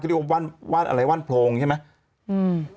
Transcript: เรียกว่านอะไรว่านโพรงใช่ไหม